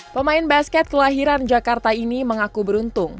pemain basket kelahiran jakarta ini mengaku beruntung